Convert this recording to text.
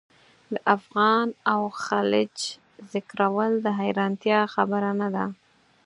د افغان او خلج ذکرول د حیرانتیا خبره نه ده.